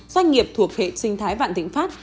doanh nghiệp thuộc hệ sinh thái vạn thịnh pháp